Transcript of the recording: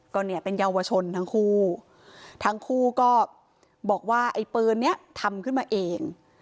ก็เนี่ยเป็นเยาวชนทั้งคู่ทั้งคู่ก็บอกว่าไอ้ปืนนี้ทำขึ้นมาเอง